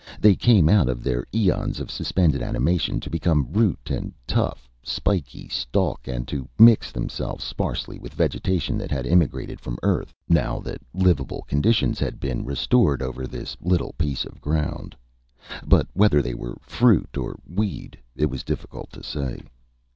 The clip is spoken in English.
They came out of their eons of suspended animation, to become root and tough, spiky stalk, and to mix themselves sparsely with vegetation that had immigrated from Earth, now that livable conditions had been restored over this little piece of ground. But whether they were fruit or weed, it was difficult to say.